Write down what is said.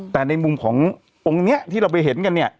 แต่ในมุมขององค์นี้ที่เราไปเห็นกันเนี่ย